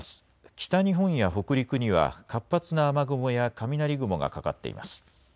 北日本や北陸には活発な雨雲や雷雲がかかっています。